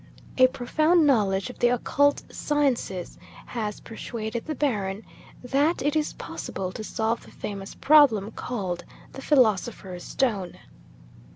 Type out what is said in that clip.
A profound knowledge of the occult sciences has persuaded the Baron that it is possible to solve the famous problem called the "Philosopher's Stone."